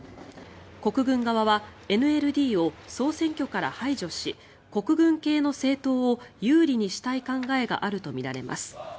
国軍側はＮＬＤを総選挙から排除し国軍系の政党を有利にしたい考えがあるとみられます。